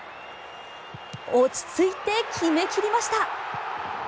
落ち着いて決め切りました。